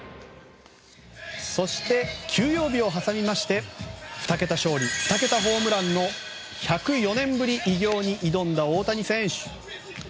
そして、休養日を挟みまして２桁勝利２桁ホームランの１０４年ぶり偉業に挑んだ大谷選手。